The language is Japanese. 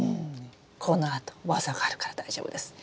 このあと技があるから大丈夫です。